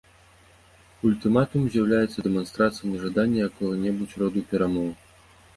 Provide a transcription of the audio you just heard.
Ультыматум з'яўляецца дэманстрацыяй нежадання якога-небудзь роду перамоў.